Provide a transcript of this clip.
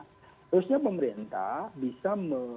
seharusnya pemerintah bisa